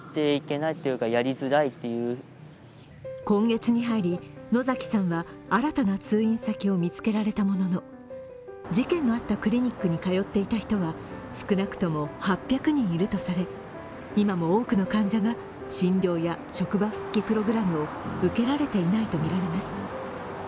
今月に入り、野崎さんは新たな通院先を見つけられたものの、事件のあったクリニックに通っていた人は少なくとも８００人いるとされ今も多くの患者が診療や職場復帰プログラムを受けられていないとみられます。